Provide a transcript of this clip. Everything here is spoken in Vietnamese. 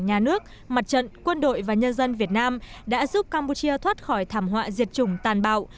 nhà nước mặt trận quân đội và nhân dân việt nam đã giúp campuchia thoát khỏi thảm họa diệt chủng tàn bạo